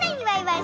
はい！